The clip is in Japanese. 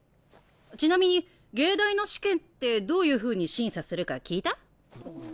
ちなみに藝大の試験ってどういうふうに審査するか聞いた？